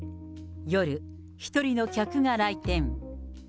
夜、１人の客が来店。